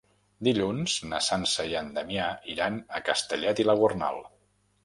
Dilluns na Sança i en Damià iran a Castellet i la Gornal.